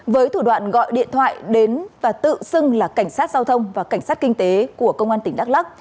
với thủ đoạn gọi điện thoại đến và tự xưng là cảnh sát giao thông và cảnh sát kinh tế của công an tỉnh đắk lắc